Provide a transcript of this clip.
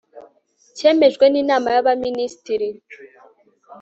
cyemejwe n Inama y Abaminisitiri